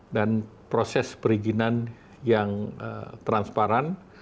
dan proses perizinan yang transparan